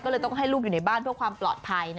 ก็เลยต้องให้ลูกอยู่ในบ้านเพื่อความปลอดภัย